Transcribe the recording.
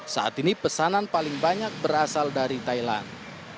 saat ini pesanan paling banyak berasal dari thailand